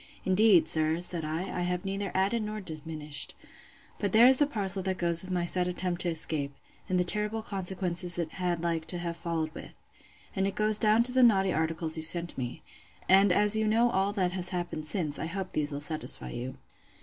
Indeed, sir, said I, I have neither added nor diminished. But there is the parcel that goes on with my sad attempt to escape, and the terrible consequences it had like to have been followed with. And it goes down to the naughty articles you sent me. And as you know all that has happened since, I hope these will satisfy you.